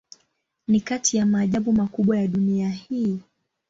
Ni kati ya maajabu makubwa ya dunia hii.